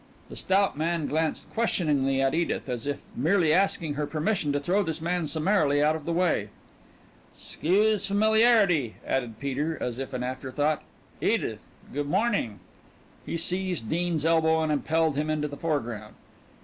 The stout man glanced questioningly at Edith, as if merely asking her permission to throw this man summarily out of the way. "'Scuse familiarity," added Peter, as an afterthought. "Edith, good morning." He seized Dean's elbow and impelled him into the foreground.